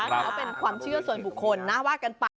ถือว่าเป็นความเชื่อส่วนบุคคลนะว่ากันไป